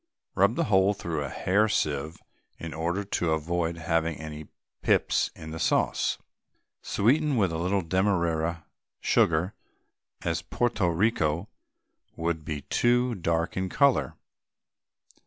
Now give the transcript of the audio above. Rub the whole through a hair sieve in order to avoid having any pips in the sauce. Sweeten with a little Demerara sugar, as Porto Rico would be too dark in colour.